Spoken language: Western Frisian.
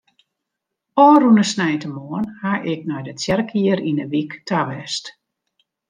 Ofrûne sneintemoarn haw ik nei de tsjerke hjir yn de wyk ta west.